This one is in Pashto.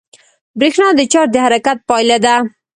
برېښنا د چارج د حرکت پایله ده.